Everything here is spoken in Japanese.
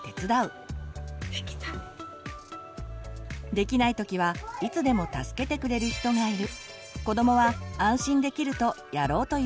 できないときはいつでも助けてくれる人がいる。